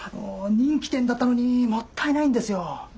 人気店だったのにもったいないんですよ。